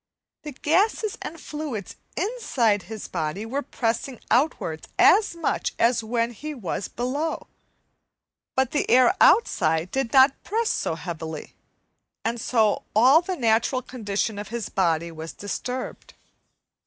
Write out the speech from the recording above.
The gases and fluids inside his body were pressing outwards as much as when he was below, but the air outside did not press so heavily, and so all the natural condition of his body was disturbed.